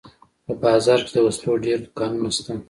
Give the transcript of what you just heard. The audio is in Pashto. په بازار کښې د وسلو ډېر دوکانونه سته.